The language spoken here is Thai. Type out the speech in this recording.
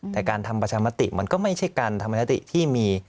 แต่การทำประชามติมันก็ไม่ใช่การทำยติที่มี